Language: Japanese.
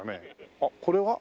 あっこれは？